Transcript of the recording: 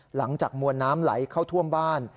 หลังจากมวลน้ำไหลเข้าท่วมบ้าน